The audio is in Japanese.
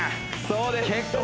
そうです